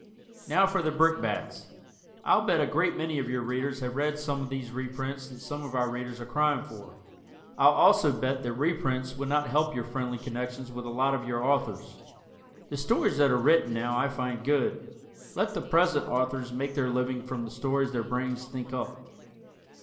Now for the brickbats. I'll bet a great many of your Readers have read some of these reprints that some of our Readers are crying for. I'll also bet that reprints would not help your friendly connections with a lot of your Authors. The stories that are written now I find good. Let the present authors make their living from the stories their brains think up.